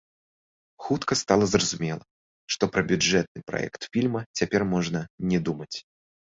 Хутка стала зразумела, што пра бюджэтны праект фільма цяпер можна не думаць.